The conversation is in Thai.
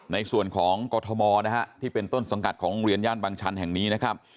ในส่วนของกรทมนะฮะที่เป็นต้นสังกัดของโรงเรียนย่านบางชันแห่งนี้นะครับ